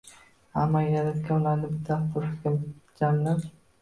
Ammo Yaratgan ularni bitta avtobusda jamlab